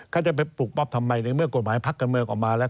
เขาจะไปปลุกป๊อปทำไมในเมื่อกฎหมายพักการเมืองออกมาแล้ว